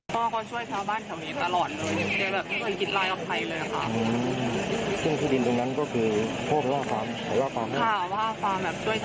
พ่อก็ช่วยชาวบ้านแถวนี้ตลอดเลยอะค่ะ